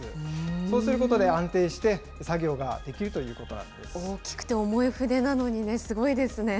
そうすることで安定して作業がで大きくて重い船なのにね、すごいですね。